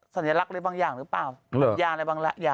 ทำไม